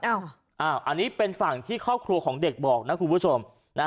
อันนี้เป็นฝั่งที่ครอบครัวของเด็กบอกนะคุณผู้ชม